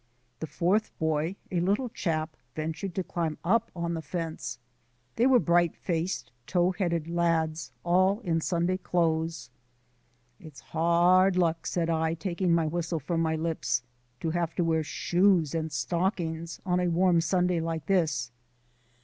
The fourth boy, a little chap, ventured to climb up on the fence. They were bright faced, tow headed lads, all in Sunday clothes. "It's hard luck," said I, taking my whistle from my lips, "to have to wear shoes and stockings on a warm Sunday like this."